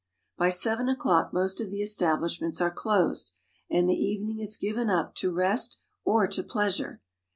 By seven o'clock most of the establishments are closed, and the evening is given up to rest or to pleasure.